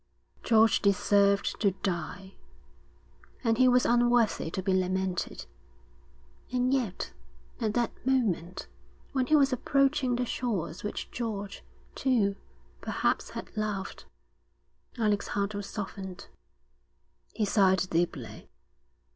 George deserved to die, and he was unworthy to be lamented. And yet, at that moment, when he was approaching the shores which George, too, perhaps, had loved, Alec's heart was softened. He sighed deeply.